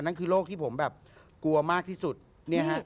นั่นคือโรคที่ผมแบบกลัวมากที่สุดเนี่ยฮะ